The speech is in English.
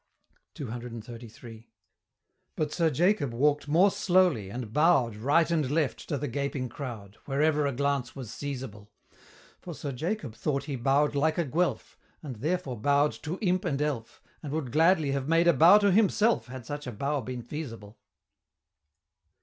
CCXXXIII. But Sir Jacob walk'd more slowly, and bow'd Eight and left to the gaping crowd, Wherever a glance was seizable; For Sir Jacob thought he bow'd like a Guelph, And therefore bow'd to imp and elf, And would gladly have made a bow to himself, Had such a bow been feasible.